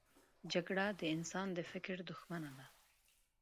جګړه د انسان د فکر دښمنه ده